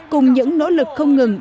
cùng những nỗ lực không ngừng